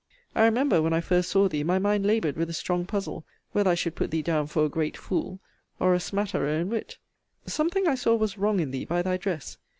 I remember, when I first saw thee, my mind laboured with a strong puzzle, whether I should put thee down for a great fool, or a smatterer in wit. Something I saw was wrong in thee, by thy dress.